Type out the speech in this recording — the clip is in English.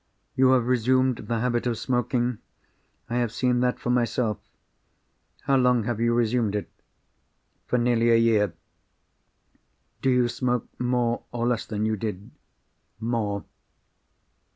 You have resumed the habit of smoking; I have seen that for myself. How long have you resumed it." "For nearly a year." "Do you smoke more or less than you did?" "More."